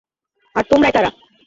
আর তোমরাই তারা।